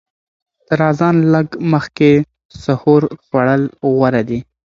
تر اذان لږ مخکې سحور خوړل غوره دي.